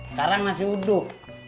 sekarang nasi uduk